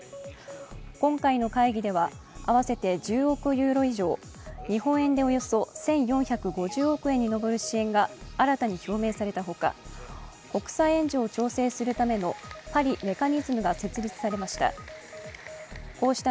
今回の会議では、合わせて１０億ユーロ以上日本円でおよそ１４５０億円に上る支援が新たに表明されたほか国際援助を調整するためのパリ・メカニズムが設立されました。